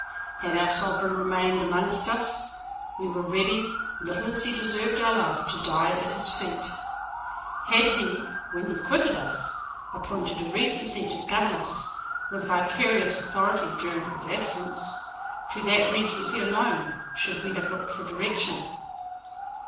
Had our Sovereign remained among us, we were ready, little as he deserved our love, to die at his feet. Had he, when he quitted us, appointed a regency to govern us with vicarious authority during his absence, to that regency alone should we have looked for direction.